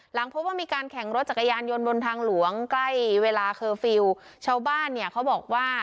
พบว่ามีการแข่งรถจักรยานยนต์บนทางหลวงใกล้เวลาเคอร์ฟิลล์ชาวบ้านเนี่ยเขาบอกว่า